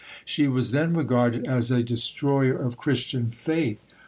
She was then regarded as a destroyer of Christian faith.